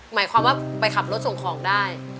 หมายความว่าไปขับรถส่งของได้